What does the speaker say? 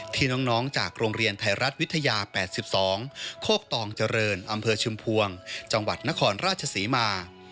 ที่น้องจากโรงเรียนไทยรัฐวิทยา๘๒โคกตองเจริญอำเภอชุมพวงจังหวัดนครราชศรีมา